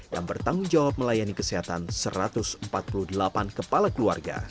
yang bertanggung jawab melayani kesehatan satu ratus empat puluh delapan kepala keluarga